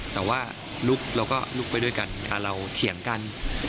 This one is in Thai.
แต่ว่าลุกเราก็ลุกไปด้วยกันเราเถียงกัน